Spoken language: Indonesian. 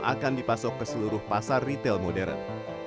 akan dipasok ke seluruh pasar retail modern